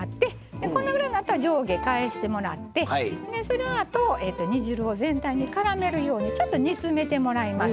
でこのぐらいになったら上下返してもらってでそのあと煮汁を全体にからめるようにちょっと煮詰めてもらいます。